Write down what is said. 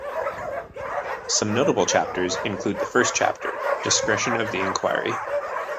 Some notable chapters include the first chapter, Discretion of the Inquiry.